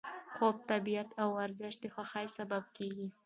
خوب، طبیعت او ورزش د خوښۍ سبب کېږي.